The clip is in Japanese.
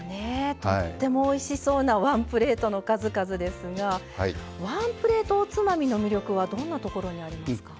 とってもおいしそうなワンプレートの数々ですがワンプレートおつまみの魅力はどんなところにありますか。